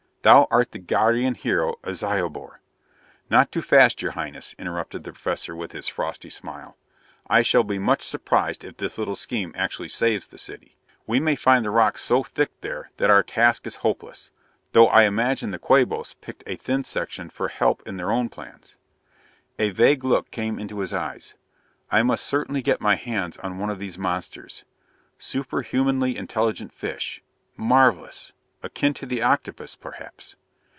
Thou art the guardian hero of Zyobor " "Not too fast, Your Highness," interrupted the Professor with his frosty smile. "I shall be much surprised if this little scheme actually saves the city. We may find the rock so thick there that our task is hopeless though I imagine the Quabos picked a thin section for help in their own plans." A vague look came into his eyes. "I must certainly get my hands on one of these monsters ... superhumanly intelligent fish ... marvelous akin to the octopus, perhaps?"